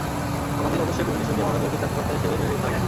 আমাদের অবশ্যই প্রভু যীশুকে মানবজাতির ত্রানকর্তা হিসেবে মেনে নিতে হবে।